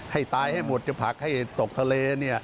ให้ตายให้หมดจะผลักให้ตกทะเล